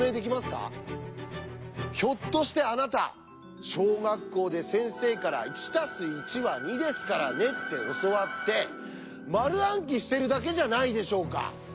ひょっとしてあなた小学校で先生から「１＋１は２ですからね」って教わって丸暗記してるだけじゃないでしょうか？